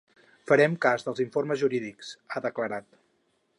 “Farem cas dels informes jurídics”, ha declarat.